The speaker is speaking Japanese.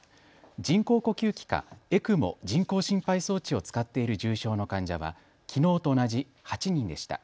人工呼吸器かＥＣＭＯ・人工心肺装置を使っている重症の患者はきのうと同じ８人でした。